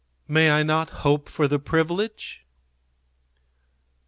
May I not hope for the privilege?"